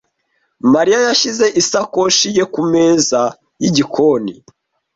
Mariya yashyize isakoshi ye kumeza yigikoni.